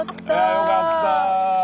よかった。